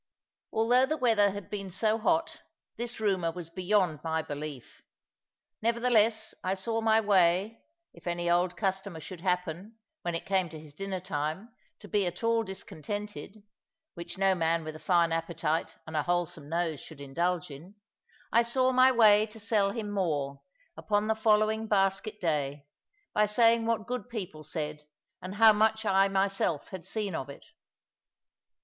Although the weather had been so hot, this rumour was beyond my belief; nevertheless I saw my way, if any old customer should happen, when it came to his dinner time, to be at all discontented (which no man with a fine appetite and a wholesome nose should indulge in) I saw my way to sell him more, upon the following basket day, by saying what good people said, and how much I myself had seen of it.